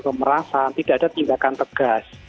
pemerasan tidak ada tindakan tegas